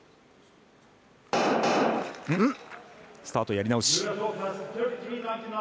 スタート、やり直し。